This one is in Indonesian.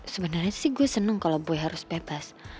sebenarnya sih gue seneng kalau gue harus bebas